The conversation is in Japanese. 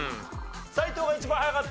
斎藤が一番早かったわ。